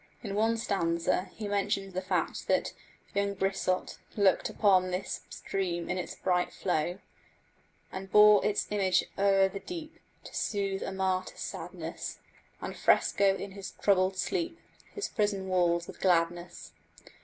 In one stanza he mentions the fact that "young Brissot" looked upon this stream in its bright flow And bore its image o'er the deep To soothe a martyr's sadness, And fresco in his troubled sleep His prison walls with gladness.